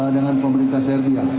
dengan pemerintah serbia